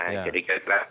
nah jadi kita